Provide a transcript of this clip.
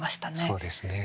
そうですね。